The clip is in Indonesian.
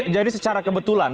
jadi secara kebetulan